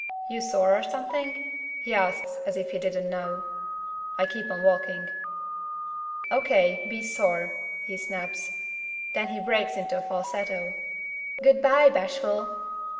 "You sore or something?" he asks, as if he didn't know. I keep on walking. "O.K., be sore!" he snaps. Then he breaks into a falsetto: "Goo'bye, Bashful!"